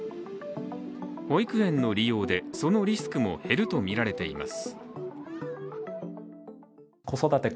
保育園の利用でそのリスクも減るとみられています。